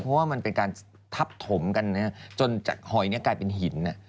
เพราะว่ามันเป็นการทับถมกันจนจากหอยกลายเป็นหิน